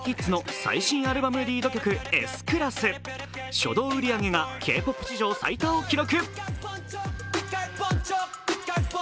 初動売り上げがＫ−ＰＯＰ史上最多を記録。